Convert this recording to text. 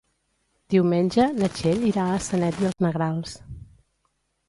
Diumenge na Txell irà a Sanet i els Negrals.